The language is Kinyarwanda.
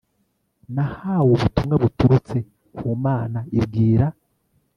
Nahawe ubutumwa buturutse ku Mana ibwira